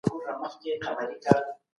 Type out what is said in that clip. زه اجازه لرم چې کار وکړم.